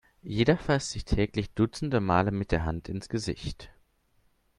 Jeder fasst sich täglich dutzende Male mit der Hand ins Gesicht.